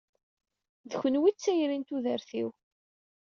D kenwi i d tayri n tudert-iw.